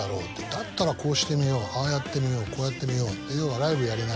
だったらこうしてみようああやってみようこうやってみよう」って要は。